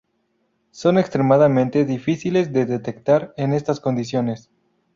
Son extremadamente difíciles de detectar en estas condiciones.